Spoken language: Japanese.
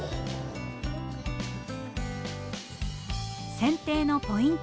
せん定のポイント。